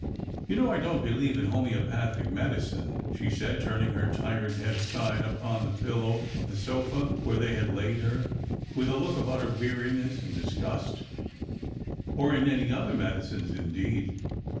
"You know I don't beheve in homoeopathic medicine," she said, turning her tired head aside upon the pillow of the sofa where they had laid her, with a look of utter weariness and dis gust ;" or in any other medicines indeed.